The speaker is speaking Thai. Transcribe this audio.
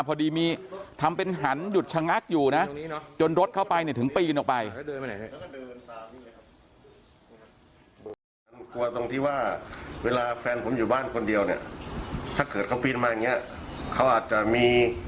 พอดีมีทำเป็นหันหยุดชะงักอยู่นะจนรถเข้าไปเนี่ยถึงปีนออกไปไหน